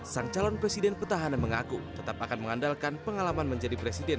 sang calon presiden petahana mengaku tetap akan mengandalkan pengalaman menjadi presiden